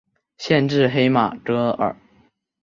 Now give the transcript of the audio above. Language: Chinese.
县治黑马戈尔。